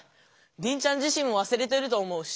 リンちゃん自しんもわすれてると思うし。